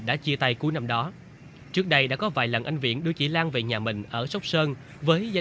đã chia tay cuối năm đó trước đây đã có vài lần anh viện đưa chị lan về nhà mình ở sóc sơn với gia